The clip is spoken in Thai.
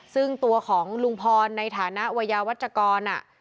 ซึ่งตัวของลุงพรในฐานะวัยยาวัชกร